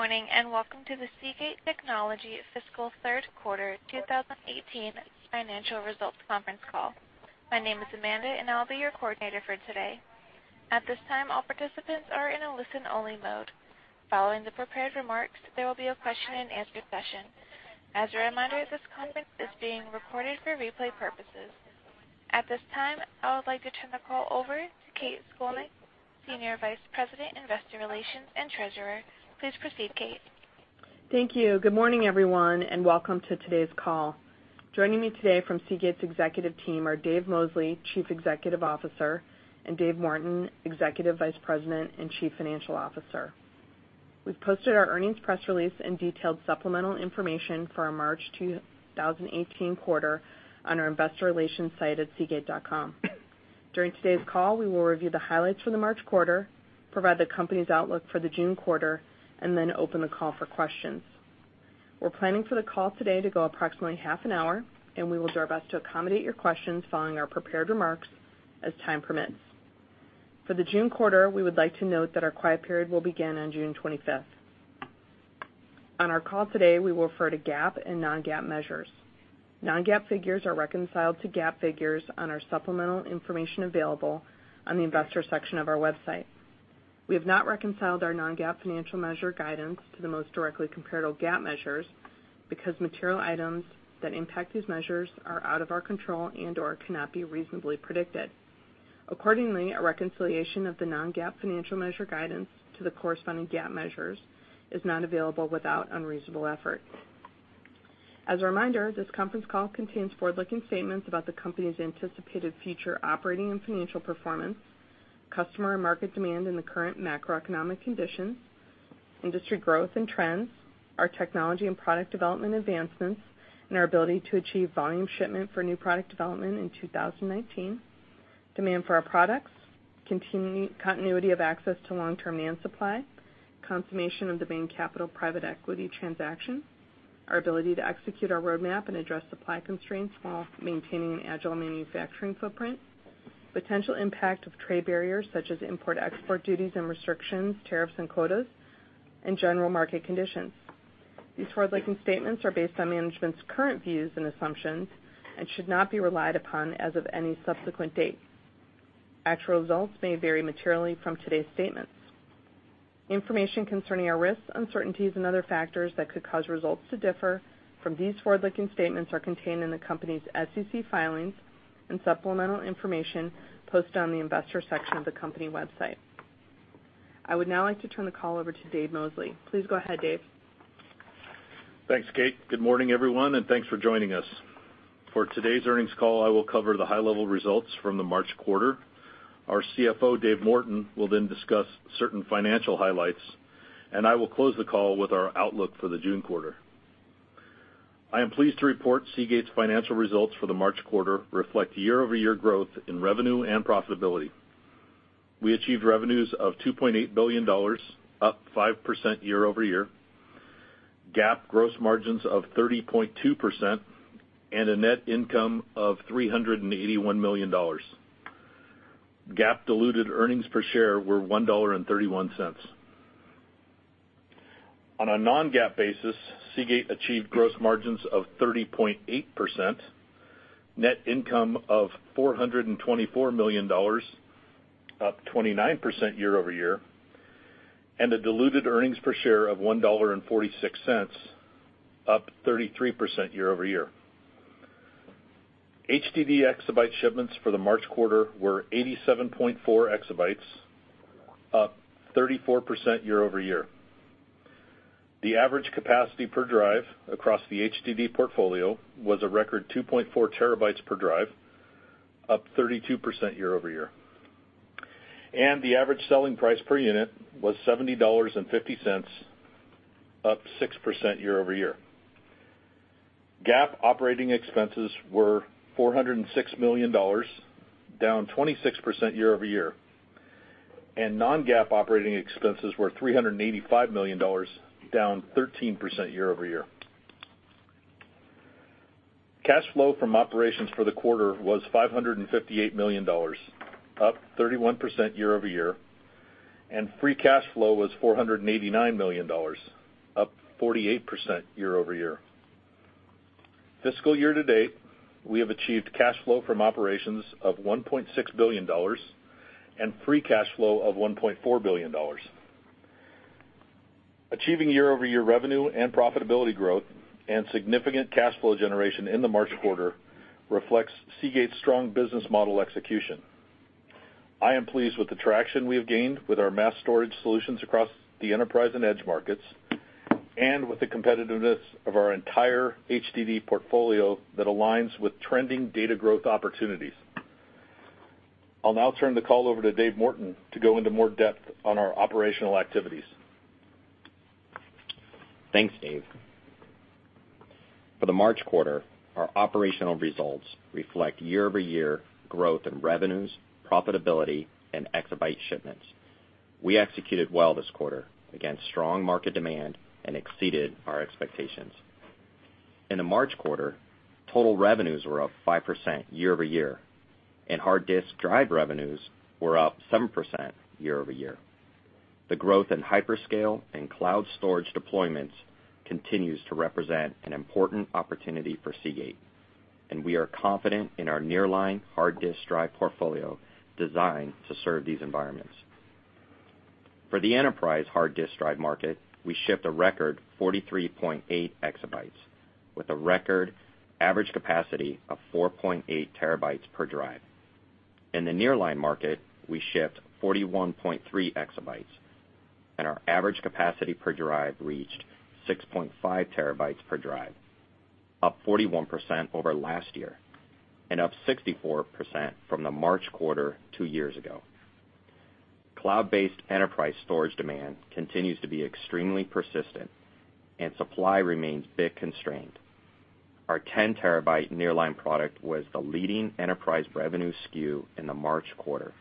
Good morning, welcome to the Seagate Technology fiscal third quarter 2018 financial results conference call. My name is Amanda, and I'll be your coordinator for today. At this time, all participants are in a listen-only mode. Following the prepared remarks, there will be a question and answer session. As a reminder, this conference is being recorded for replay purposes. At this time, I would like to turn the call over to Kathryn Scolnick, senior vice president, investor relations, and treasurer. Please proceed, Kate. Thank you. Good morning, everyone, welcome to today's call. Joining me today from Seagate's executive team are Dave Mosley, chief executive officer, and Dave Morton, executive vice president and chief financial officer. We've posted our earnings press release in detailed supplemental information for our March 2018 quarter on our investor relations site at seagate.com. During today's call, we will review the highlights for the March quarter, provide the company's outlook for the June quarter, and then open the call for questions. We're planning for the call today to go approximately half an hour, and we will do our best to accommodate your questions following our prepared remarks as time permits. For the June quarter, we would like to note that our quiet period will begin on June 25th. On our call today, we will refer to GAAP and non-GAAP measures. Non-GAAP figures are reconciled to GAAP figures on our supplemental information available on the investor section of our website. We have not reconciled our non-GAAP financial measure guidance to the most directly comparable GAAP measures because material items that impact these measures are out of our control and/or cannot be reasonably predicted. Accordingly, a reconciliation of the non-GAAP financial measure guidance to the corresponding GAAP measures is not available without unreasonable effort. As a reminder, this conference call contains forward-looking statements about the company's anticipated future operating and financial performance, customer and market demand in the current macroeconomic conditions, industry growth and trends, our technology and product development advancements, and our ability to achieve volume shipment for new product development in 2019, demand for our products, continuity of access to long-term NAND supply, confirmation of the Bain Capital private equity transaction, our ability to execute our roadmap and address supply constraints while maintaining an agile manufacturing footprint, potential impact of trade barriers such as import/export duties and restrictions, tariffs, and quotas, and general market conditions. These forward-looking statements are based on management's current views and assumptions and should not be relied upon as of any subsequent date. Actual results may vary materially from today's statements. Information concerning our risks, uncertainties, and other factors that could cause results to differ from these forward-looking statements are contained in the company's SEC filings and supplemental information posted on the investor section of the company website. I would now like to turn the call over to Dave Mosley. Please go ahead, Dave. Thanks, Kate. Good morning, everyone, and thanks for joining us. For today's earnings call, I will cover the high-level results from the March quarter. Our CFO, Dave Morton, will then discuss certain financial highlights. I will close the call with our outlook for the June quarter. I am pleased to report Seagate's financial results for the March quarter reflect year-over-year growth in revenue and profitability. We achieved revenues of $2.8 billion, up 5% year-over-year, GAAP gross margins of 30.2%, and a net income of $381 million. GAAP diluted earnings per share were $1.31. On a non-GAAP basis, Seagate achieved gross margins of 30.8%, net income of $424 million, up 29% year-over-year, and a diluted earnings per share of $1.46, up 33% year-over-year. HDD exabyte shipments for the March quarter were 87.4 exabytes, up 34% year-over-year. The average capacity per drive across the HDD portfolio was a record 2.4 terabytes per drive, up 32% year-over-year. The average selling price per unit was $70.50, up 6% year-over-year. GAAP operating expenses were $406 million, down 26% year-over-year. Non-GAAP operating expenses were $385 million, down 13% year-over-year. Cash flow from operations for the quarter was $558 million, up 31% year-over-year. Free cash flow was $489 million, up 48% year-over-year. Fiscal year to date, we have achieved cash flow from operations of $1.6 billion and free cash flow of $1.4 billion. Achieving year-over-year revenue and profitability growth and significant cash flow generation in the March quarter reflects Seagate's strong business model execution. I am pleased with the traction we have gained with our mass storage solutions across the enterprise and edge markets and with the competitiveness of our entire HDD portfolio that aligns with trending data growth opportunities. I'll now turn the call over to Dave Morton to go into more depth on our operational activities. Thanks, Dave. For the March quarter, our operational results reflect year-over-year growth in revenues, profitability, and exabyte shipments. We executed well this quarter against strong market demand and exceeded our expectations. In the March quarter, total revenues were up 5% year-over-year, and hard disk drive revenues were up 7% year-over-year. The growth in hyperscale and cloud storage deployments continues to represent an important opportunity for Seagate, and we are confident in our nearline hard disk drive portfolio designed to serve these environments. For the enterprise hard disk drive market, we shipped a record 43.8 exabytes with a record average capacity of 4.8 terabytes per drive. In the nearline market, we shipped 41.3 exabytes, and our average capacity per drive reached 6.5 terabytes per drive, up 41% over last year and up 64% from the March quarter two years ago. Cloud-based enterprise storage demand continues to be extremely persistent, and supply remains bit constrained. Our 10-terabyte nearline product was the leading enterprise revenue SKU in the March quarter.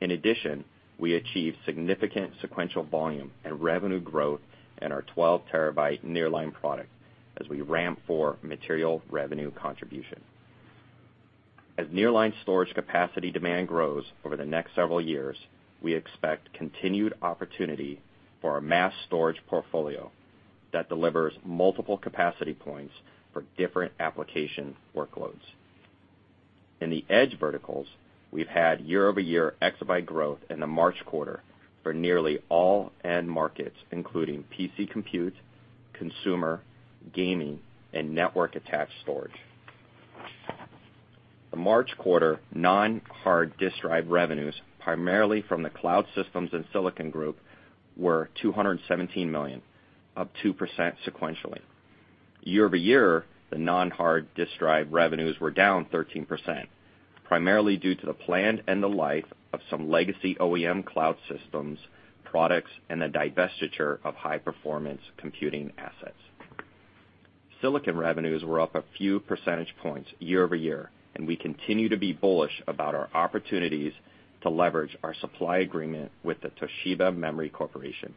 In addition, we achieved significant sequential volume and revenue growth in our 12-terabyte nearline product as we ramp for material revenue contribution. As nearline storage capacity demand grows over the next several years, we expect continued opportunity for our mass storage portfolio that delivers multiple capacity points for different application workloads. In the edge verticals, we've had year-over-year exabyte growth in the March quarter for nearly all end markets, including PC compute, consumer, gaming, and network-attached storage. The March quarter non-hard disk drive revenues, primarily from the Cloud Systems and Silicon group, were $217 million, up 2% sequentially. Year-over-year, the non-hard disk drive revenues were down 13%, primarily due to the planned end-of-life of some legacy OEM cloud systems, products, and the divestiture of high-performance computing assets. Silicon revenues were up a few percentage points year-over-year, and we continue to be bullish about our opportunities to leverage our supply agreement with the Toshiba Memory Corporation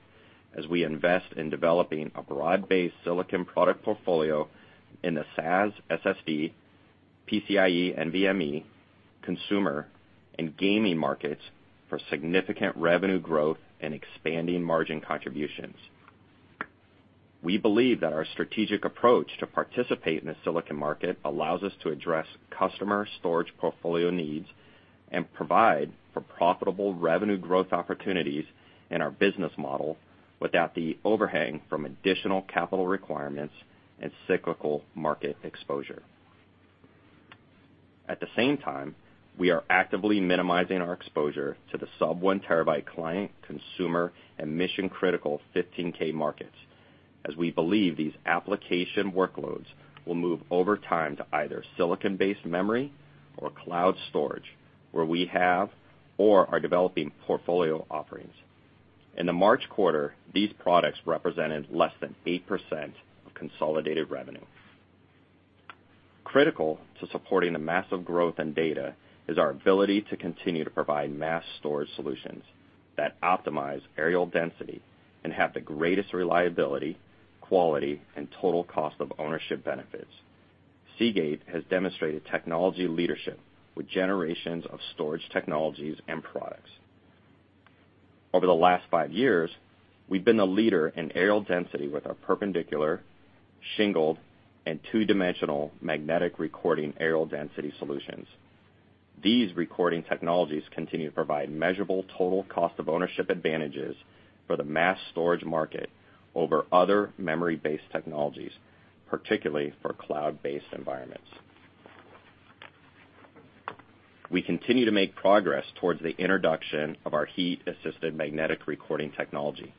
as we invest in developing a broad-based silicon product portfolio in the SAS, SSD, PCIe, NVMe, consumer, and gaming markets for significant revenue growth and expanding margin contributions. We believe that our strategic approach to participate in the silicon market allows us to address customer storage portfolio needs and provide for profitable revenue growth opportunities in our business model without the overhang from additional capital requirements and cyclical market exposure. At the same time, we are actively minimizing our exposure to the sub-1TB client, consumer, and mission-critical 15K markets, as we believe these application workloads will move over time to either silicon-based memory or cloud storage, where we have or are developing portfolio offerings. In the March quarter, these products represented less than 8% of consolidated revenue. Critical to supporting the massive growth in data is our ability to continue to provide mass storage solutions that optimize areal density and have the greatest reliability, quality, and total cost of ownership benefits. Seagate has demonstrated technology leadership with generations of storage technologies and products. Over the last five years, we've been the leader in areal density with our perpendicular, shingled, and two-dimensional magnetic recording areal density solutions. These recording technologies continue to provide measurable total cost of ownership advantages for the mass storage market over other memory-based technologies, particularly for cloud-based environments. We continue to make progress towards the introduction of our heat-assisted magnetic recording technology.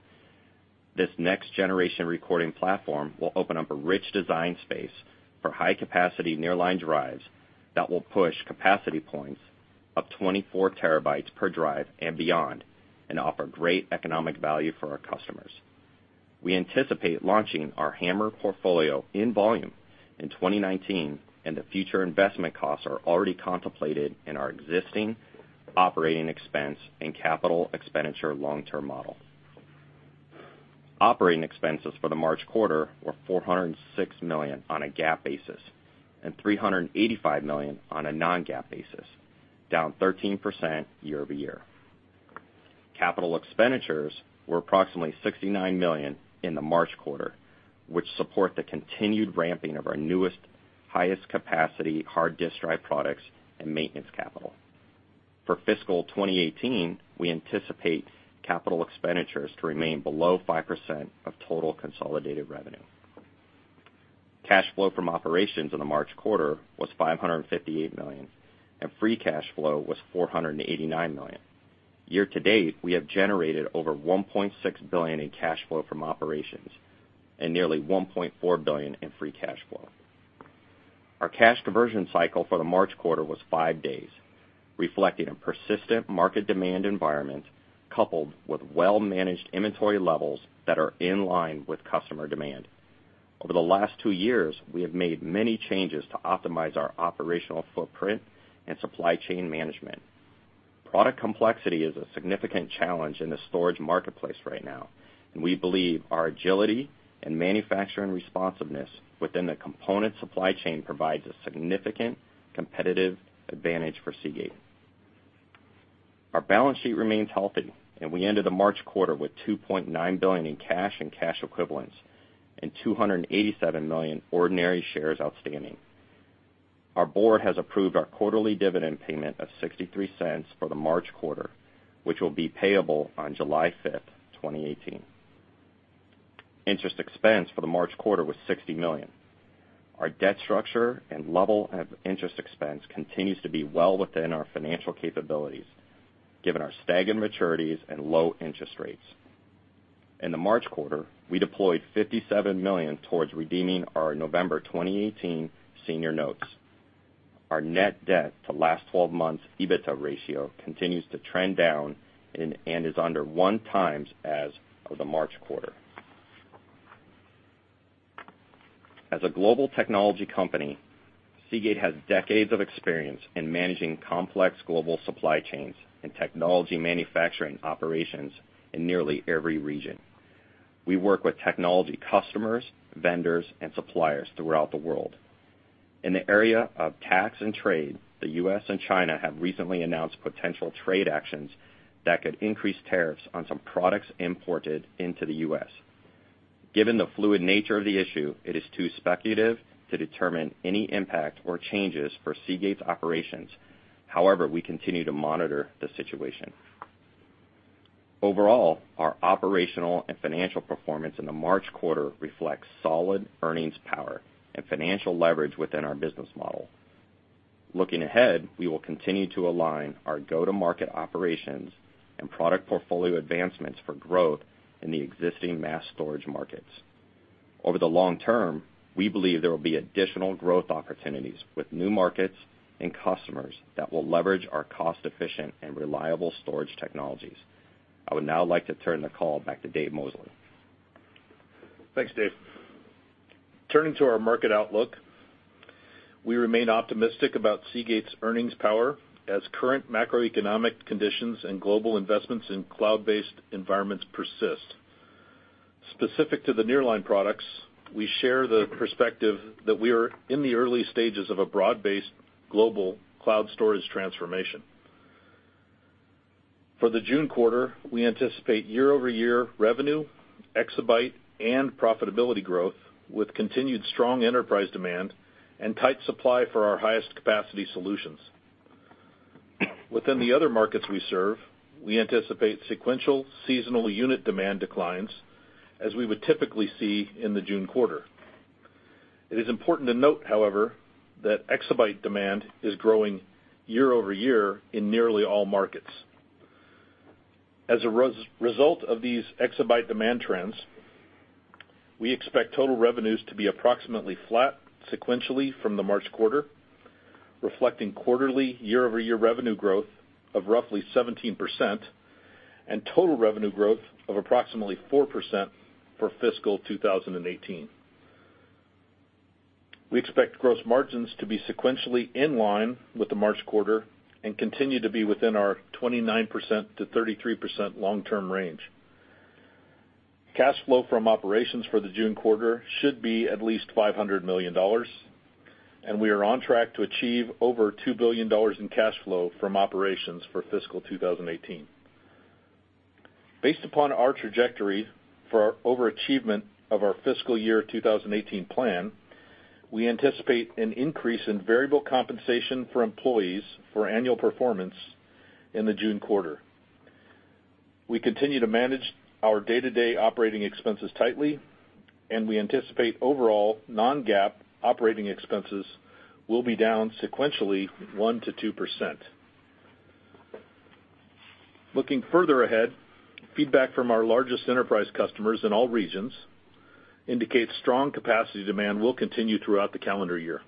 This next-generation recording platform will open up a rich design space for high-capacity nearline drives that will push capacity points of 24 terabytes per drive and beyond and offer great economic value for our customers. We anticipate launching our HAMR portfolio in volume in 2019. The future investment costs are already contemplated in our existing operating expense and capital expenditure long-term model. Operating expenses for the March quarter were $406 million on a GAAP basis and $385 million on a non-GAAP basis, down 13% year-over-year. Capital expenditures were approximately $69 million in the March quarter, which support the continued ramping of our newest, highest capacity hard disk drive products and maintenance capital. For fiscal 2018, we anticipate capital expenditures to remain below 5% of total consolidated revenue. Cash flow from operations in the March quarter was $558 million. Free cash flow was $489 million. Year-to-date, we have generated over $1.6 billion in cash flow from operations and nearly $1.4 billion in free cash flow. Our cash conversion cycle for the March quarter was five days, reflecting a persistent market demand environment coupled with well-managed inventory levels that are in line with customer demand. Over the last two years, we have made many changes to optimize our operational footprint and supply chain management. Product complexity is a significant challenge in the storage marketplace right now, and we believe our agility and manufacturing responsiveness within the component supply chain provides a significant competitive advantage for Seagate. Our balance sheet remains healthy. We ended the March quarter with $2.9 billion in cash and cash equivalents and 287 million ordinary shares outstanding. Our board has approved our quarterly dividend payment of $0.63 for the March quarter, which will be payable on July 5th, 2018. Interest expense for the March quarter was $60 million. Our debt structure and level of interest expense continues to be well within our financial capabilities, given our staggered maturities and low interest rates. In the March quarter, we deployed $57 million towards redeeming our November 2018 senior notes. Our net debt to last 12 months EBITDA ratio continues to trend down and is under one times as of the March quarter. As a global technology company, Seagate has decades of experience in managing complex global supply chains and technology manufacturing operations in nearly every region. We work with technology customers, vendors, and suppliers throughout the world. In the area of tax and trade, the U.S. and China have recently announced potential trade actions that could increase tariffs on some products imported into the U.S. Given the fluid nature of the issue, it is too speculative to determine any impact or changes for Seagate's operations. However, we continue to monitor the situation. Overall, our operational and financial performance in the March quarter reflects solid earnings power and financial leverage within our business model. Looking ahead, we will continue to align our go-to-market operations and product portfolio advancements for growth in the existing mass storage markets. Over the long term, we believe there will be additional growth opportunities with new markets and customers that will leverage our cost-efficient and reliable storage technologies. I would now like to turn the call back to Dave Mosley. Thanks, Dave. Turning to our market outlook, we remain optimistic about Seagate's earnings power as current macroeconomic conditions and global investments in cloud-based environments persist. Specific to the Nearline products, we share the perspective that we are in the early stages of a broad-based global cloud storage transformation. For the June quarter, we anticipate year-over-year revenue, exabyte, and profitability growth with continued strong enterprise demand and tight supply for our highest capacity solutions. Within the other markets we serve, we anticipate sequential seasonal unit demand declines as we would typically see in the June quarter. It is important to note, however, that exabyte demand is growing year-over-year in nearly all markets. Result of these exabyte demand trends, we expect total revenues to be approximately flat sequentially from the March quarter, reflecting quarterly year-over-year revenue growth of roughly 17% and total revenue growth of approximately 4% for fiscal 2018. We expect gross margins to be sequentially in line with the March quarter and continue to be within our 29%-33% long-term range. Cash flow from operations for the June quarter should be at least $500 million, and we are on track to achieve over $2 billion in cash flow from operations for fiscal 2018. Based upon our trajectory for our overachievement of our fiscal year 2018 plan, we anticipate an increase in variable compensation for employees for annual performance in the June quarter. We continue to manage our day-to-day operating expenses tightly, and we anticipate overall non-GAAP operating expenses will be down sequentially 1%-2%. Looking further ahead, feedback from our largest enterprise customers in all regions indicates strong capacity demand will continue throughout the calendar year.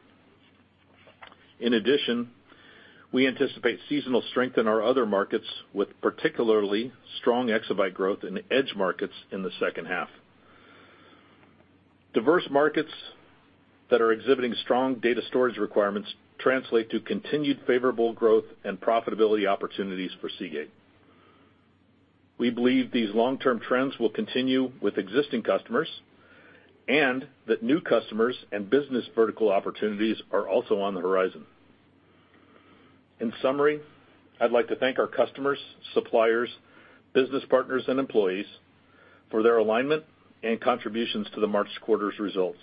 In addition, we anticipate seasonal strength in our other markets, with particularly strong exabyte growth in edge markets in the second half. Diverse markets that are exhibiting strong data storage requirements translate to continued favorable growth and profitability opportunities for Seagate. We believe these long-term trends will continue with existing customers and that new customers and business vertical opportunities are also on the horizon. In summary, I'd like to thank our customers, suppliers, business partners, and employees for their alignment and contributions to the March quarter's results.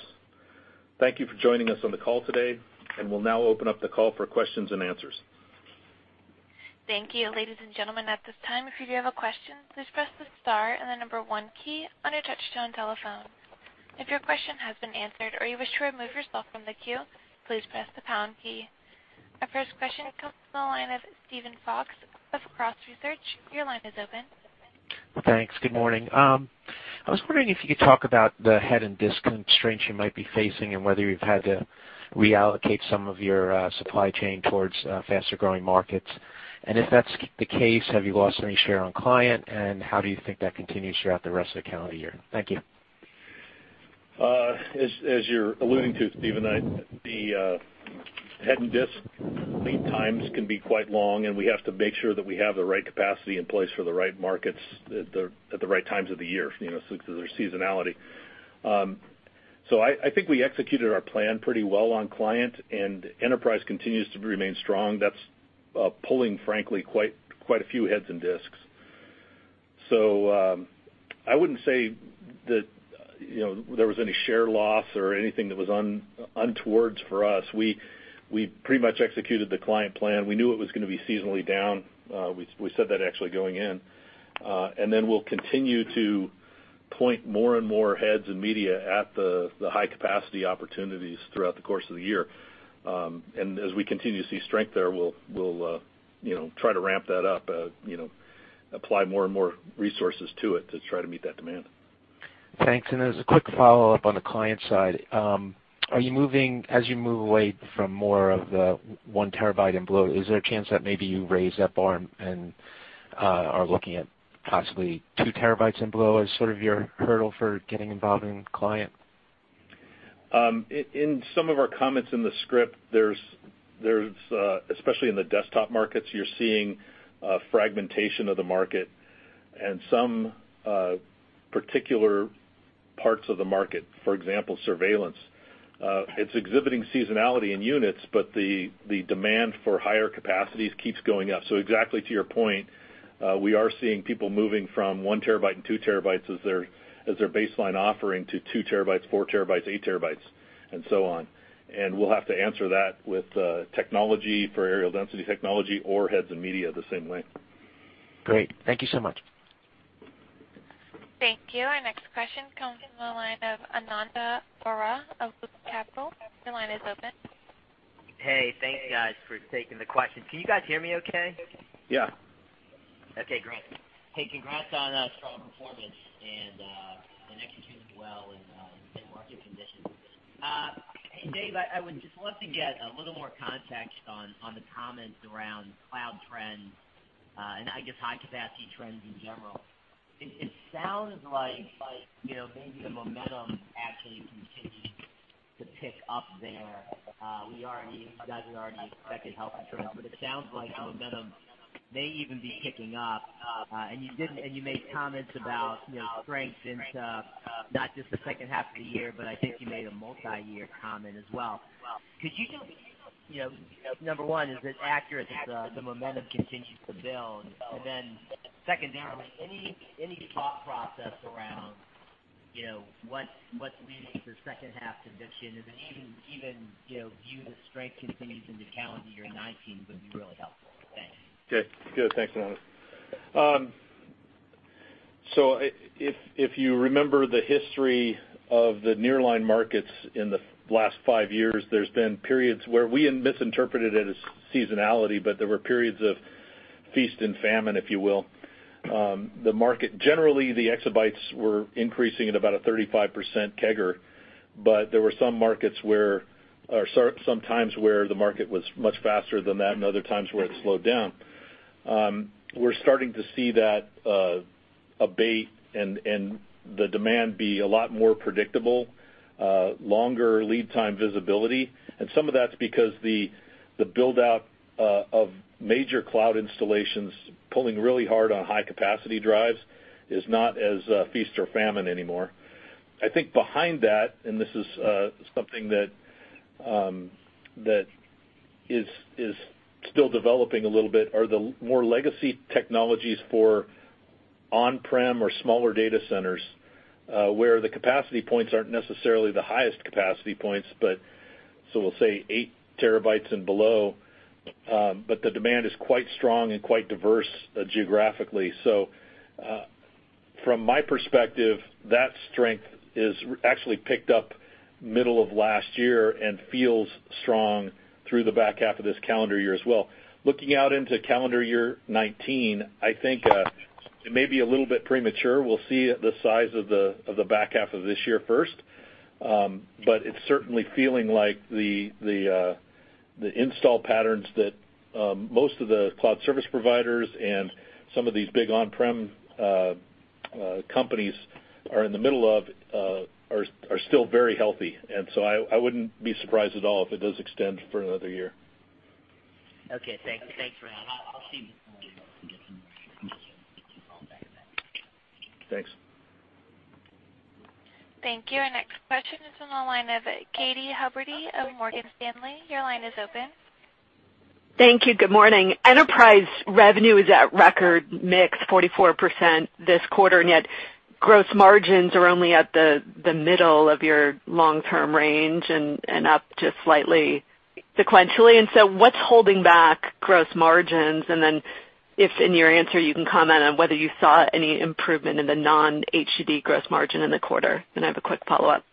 Thank you for joining us on the call today, and we'll now open up the call for questions and answers. Thank you. Ladies and gentlemen, at this time, if you do have a question, please press the star and the number 1 key on your touchtone telephone. If your question has been answered or you wish to remove yourself from the queue, please press the pound key. Our first question comes from the line of Steven Fox of Cross Research. Your line is open. Thanks. Good morning. I was wondering if you could talk about the head and disk constraints you might be facing and whether you've had to reallocate some of your supply chain towards faster-growing markets. If that's the case, have you lost any share on client, and how do you think that continues throughout the rest of the calendar year? Thank you. As you're alluding to, Steven, the head and disk lead times can be quite long, and we have to make sure that we have the right capacity in place for the right markets at the right times of the year, since there's seasonality. I think we executed our plan pretty well on client, and enterprise continues to remain strong. That's pulling, frankly, quite a few heads and disks. I wouldn't say that there was any share loss or anything that was untoward for us. We pretty much executed the client plan. We knew it was going to be seasonally down. We said that actually going in. We'll continue to point more and more heads and media at the high-capacity opportunities throughout the course of the year. As we continue to see strength there, we'll try to ramp that up, apply more and more resources to it to try to meet that demand. Thanks. As a quick follow-up on the client side, as you move away from more of the one terabyte and below, is there a chance that maybe you raise that bar and are looking at possibly two terabytes and below as sort of your hurdle for getting involved in client? In some of our comments in the script, especially in the desktop markets, you're seeing fragmentation of the market and some particular parts of the market, for example, surveillance. It's exhibiting seasonality in units, but the demand for higher capacities keeps going up. Exactly to your point, we are seeing people moving from one terabyte and two terabytes as their baseline offering to two terabytes, four terabytes, eight terabytes, and so on. We'll have to answer that with technology for areal density technology or heads and media the same way. Great. Thank you so much. Thank you. Our next question comes from the line of Ananda Baruah of Capital. Your line is open. Hey, thanks guys for taking the question. Can you guys hear me okay? Yeah. Okay, great. Hey, congrats on a strong performance and executing well in market conditions. Hey Dave, I would just love to get a little more context on the comments around cloud trends and I guess high-capacity trends in general. It sounds like maybe the momentum actually continued to pick up there. You guys have already expected healthy demand, but it sounds like the momentum may even be picking up. You made comments about strength into not just the second half of the year, but I think you made a multi-year comment as well. Could you just, number one, is it accurate that the momentum continues to build? Secondarily, any thought process around what's leading to second half conditions? Even view the strength continues into calendar year 2019 would be really helpful. Thanks. Okay. Good. Thanks, Ananda. If you remember the history of the nearline markets in the last five years, there's been periods where we misinterpreted it as seasonality, but there were periods of feast and famine, if you will. Generally, the exabytes were increasing at about a 35% CAGR, but there were some times where the market was much faster than that, and other times where it slowed down. We're starting to see that abate and the demand be a lot more predictable, longer lead time visibility. Some of that's because the build-out of major cloud installations pulling really hard on high-capacity drives is not as feast or famine anymore. I think behind that, and this is something that is still developing a little bit, are the more legacy technologies for on-prem or smaller data centers, where the capacity points aren't necessarily the highest capacity points, so we'll say eight terabytes and below, but the demand is quite strong and quite diverse geographically. From my perspective, that strength has actually picked up middle of last year and feels strong through the back half of this calendar year as well. Looking out into calendar year 2019, I think it may be a little bit premature. We'll see the size of the back half of this year first. It's certainly feeling like the install patterns that most of the cloud service providers and some of these big on-prem companies are in the middle of are still very healthy. I wouldn't be surprised at all if it does extend for another year. Okay. Thanks for that. I'll see. Thanks. Thank you. Our next question is on the line of Katy Huberty of Morgan Stanley. Your line is open. Thank you. Good morning. Enterprise revenue is at record mix 44% this quarter, yet gross margins are only at the middle of your long-term range and up just slightly sequentially. What's holding back gross margins? If in your answer you can comment on whether you saw any improvement in the non-HDD gross margin in the quarter. I have a quick follow-up.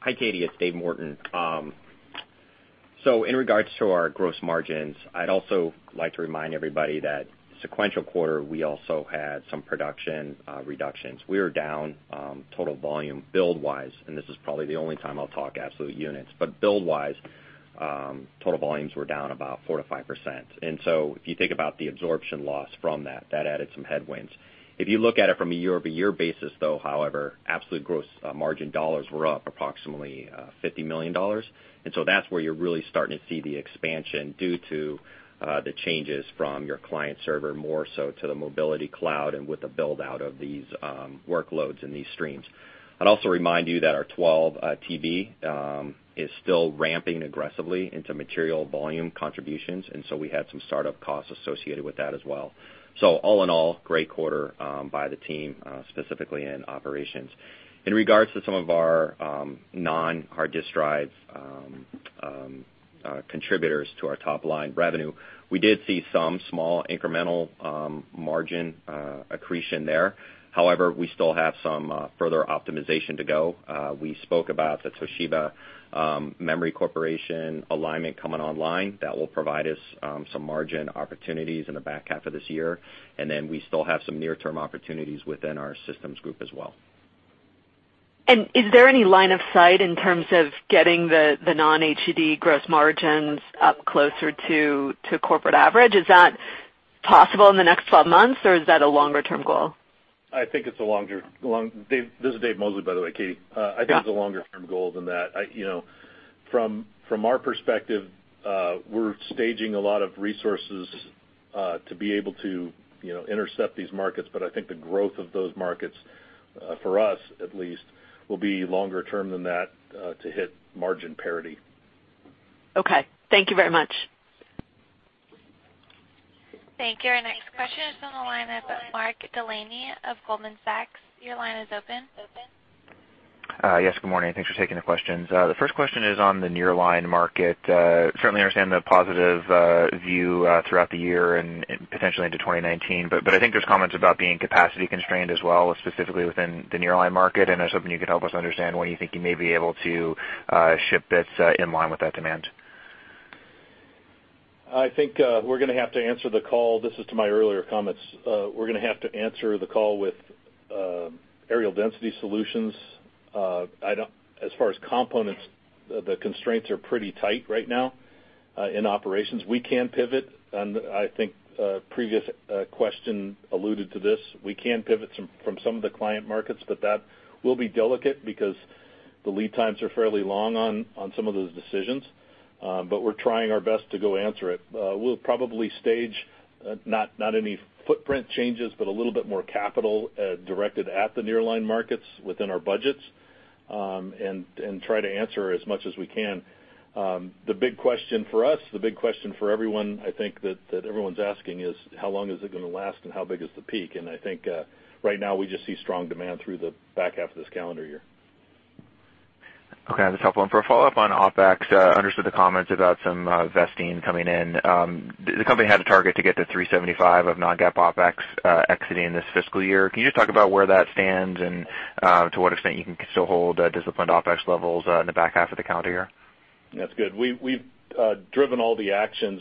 Hi, Katy, it's Dave Morton. In regards to our gross margins, I'd also like to remind everybody that sequential quarter, we also had some production reductions. We were down total volume build-wise, and this is probably the only time I'll talk absolute units. Build-wise, total volumes were down about 4%-5%. If you think about the absorption loss from that added some headwinds. If you look at it from a year-over-year basis, though, however, absolute gross margin dollars were up approximately $50 million. That's where you're really starting to see the expansion due to the changes from your client-server, more so to the mobility-cloud and with the build-out of these workloads and these streams. I'd also remind you that our 12 TB is still ramping aggressively into material volume contributions, we had some startup costs associated with that as well. All in all, great quarter by the team, specifically in operations. In regards to some of our non-hard disk drive contributors to our top-line revenue, we did see some small incremental margin accretion there. However, we still have some further optimization to go. We spoke about the Toshiba Memory Corporation alignment coming online. That will provide us some margin opportunities in the back half of this year. We still have some near-term opportunities within our systems group as well. Is there any line of sight in terms of getting the non-HDD gross margins up closer to corporate average? Is that possible in the next 12 months, or is that a longer-term goal? This is Dave Mosley, by the way, Katy. Yeah. I think it's a longer-term goal than that. From our perspective, we're staging a lot of resources to be able to intercept these markets, but I think the growth of those markets, for us at least, will be longer term than that to hit margin parity. Okay. Thank you very much. Thank you. Our next question is from the line of Mark Delaney of Goldman Sachs. Your line is open. Yes, good morning. Thanks for taking the questions. The first question is on the nearline market. Certainly understand the positive view throughout the year and potentially into 2019. I think there's comments about being capacity-constrained as well, specifically within the nearline market. I was hoping you could help us understand when you think you may be able to ship bits in line with that demand. I think we're going to have to answer the call. This is to my earlier comments. We're going to have to answer the call with areal density solutions. As far as components, the constraints are pretty tight right now in operations. We can pivot, and I think a previous question alluded to this. We can pivot from some of the client markets, but that will be delicate because the lead times are fairly long on some of those decisions. We're trying our best to go answer it. We'll probably stage not any footprint changes, but a little bit more capital directed at the nearline markets within our budgets, and try to answer as much as we can. The big question for us, the big question for everyone, I think that everyone's asking is how long is it going to last and how big is the peak? I think right now we just see strong demand through the back half of this calendar year. Okay, this is helpful. For a follow-up on OpEx, understood the comments about some vesting coming in. The company had a target to get to $375 of non-GAAP OpEx exiting this fiscal year. Can you just talk about where that stands and to what extent you can still hold disciplined OpEx levels in the back half of the calendar year? That's good. We've driven all the actions.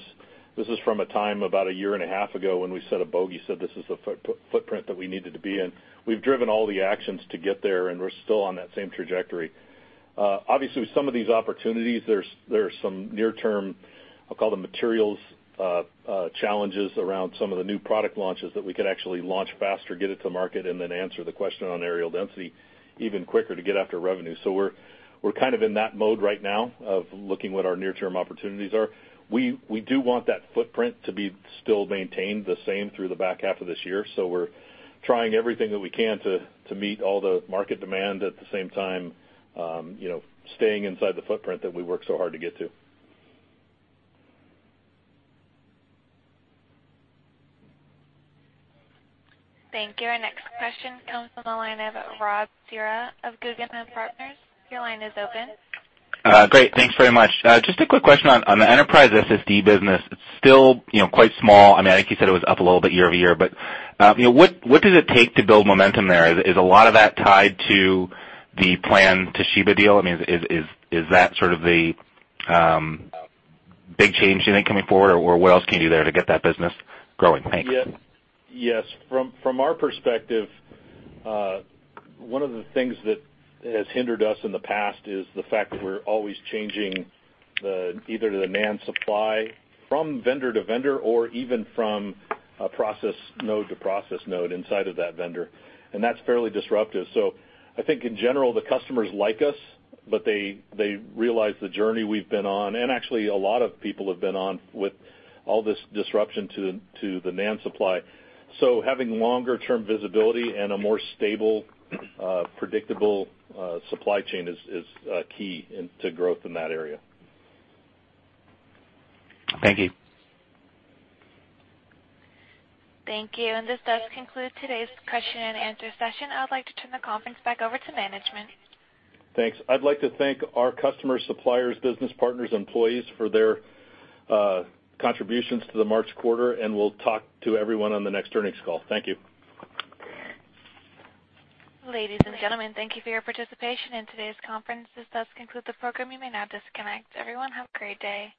This is from a time about a year and a half ago when we set a bogey, said this is the footprint that we needed to be in. We've driven all the actions to get there, and we're still on that same trajectory. Obviously, with some of these opportunities, there are some near-term, I'll call them materials challenges around some of the new product launches that we could actually launch faster, get it to market, and then answer the question on areal density even quicker to get after revenue. We're kind of in that mode right now of looking what our near-term opportunities are. We do want that footprint to be still maintained the same through the back half of this year. We're trying everything that we can to meet all the market demand, at the same time staying inside the footprint that we worked so hard to get to. Thank you. Our next question comes from the line of Robert Cihra of Guggenheim Partners. Your line is open. Great. Thanks very much. Just a quick question on the enterprise SSD business. It's still quite small. I think you said it was up a little bit year-over-year, what does it take to build momentum there? Is a lot of that tied to the planned Toshiba deal? Is that sort of the big change you think coming forward, what else can you do there to get that business growing? Thanks. Yes. From our perspective, one of the things that has hindered us in the past is the fact that we're always changing either the NAND supply from vendor to vendor or even from a process node to process node inside of that vendor, and that's fairly disruptive. I think in general, the customers like us, they realize the journey we've been on, and actually a lot of people have been on with all this disruption to the NAND supply. Having longer-term visibility and a more stable, predictable supply chain is key to growth in that area. Thank you. Thank you. This does conclude today's question-and-answer session. I would like to turn the conference back over to management. Thanks. I'd like to thank our customers, suppliers, business partners, employees for their contributions to the March quarter, and we'll talk to everyone on the next earnings call. Thank you. Ladies and gentlemen, thank you for your participation in today's conference. This does conclude the program. You may now disconnect. Everyone, have a great day